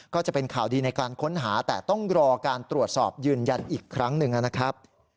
ก็จะเป็นข่าวดีในการค้นหาแต่ต้องรอการตรวจสอบยืนยันอีกครั้งหนึ่งนะครับ